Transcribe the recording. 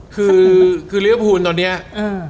คือคือเรียกว่าภูมิตอนเนี้ยอืม